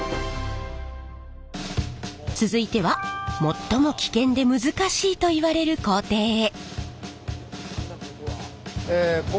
続いては最も危険で難しいといわれる工程へ！